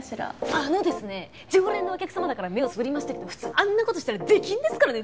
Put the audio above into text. あのですね常連のお客様だから目をつぶりましたけど普通あんな事したら出禁ですからね！